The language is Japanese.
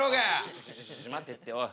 ちょちょちょちょ待てっておい。